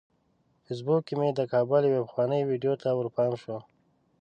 په فیسبوک کې مې د کابل یوې پخوانۍ ویډیو ته ورپام شو.